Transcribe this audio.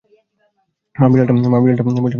মা-বিড়ালটা বলছে, খোকাথুকু সাবধান!